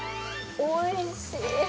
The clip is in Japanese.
・おいしい！